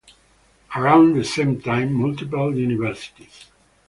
Around the same time multiple universities.